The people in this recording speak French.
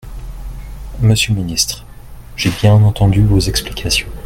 Monsieur le ministre, j’ai bien entendu vos explications.